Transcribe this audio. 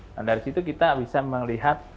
dan dari situ kita bisa melihat